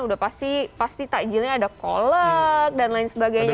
udah pasti pasti takjilnya ada kolek dan lain sebagainya